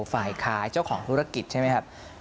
ฝ่ายค้ายเจ้าของธุรกิจใช่ไหมครับ